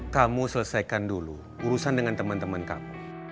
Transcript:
kamu selesaikan dulu urusan dengan teman teman kamu